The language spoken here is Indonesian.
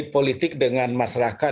politik dengan masyarakat